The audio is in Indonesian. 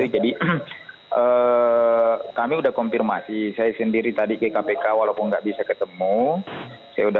jadi kami sudah konfirmasi saya sendiri tadi ke kpk walaupun tidak bisa ketemu